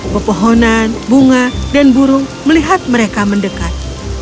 pepohonan bunga dan burung melihat mereka mendekat